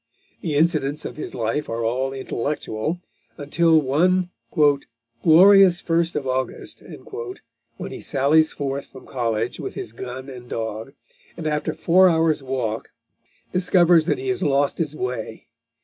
The incidents of his life are all intellectual, until one "glorious first of August," when he sallies forth from college with his gun and dog, and after four hours' walk discovers that he has lost his way.